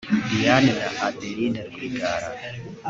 Diane na Adeline Rwigara